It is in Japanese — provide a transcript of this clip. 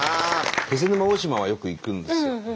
気仙沼大島はよく行くんですよ。